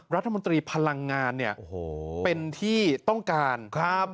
รัฐมนตรีพลังงานเนี่ยเป็นที่ต้องการครับ